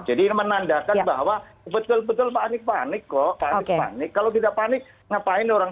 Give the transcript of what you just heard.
jadi menandakan bahwa betul betul pak anies panik kok pak anies panik kalau tidak panik ngapain orang